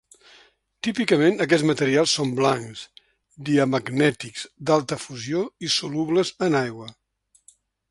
Típicament aquests materials són blancs, diamagnètics, d'alta fusió i solubles en aigua.